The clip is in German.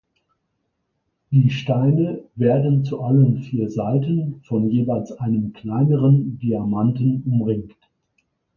Die Steine werden zu allen vier Seiten von jeweils einem kleineren Diamanten umringt.